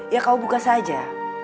ya kau buka saja